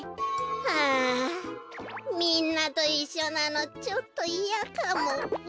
はあみんなといっしょなのちょっといやかも。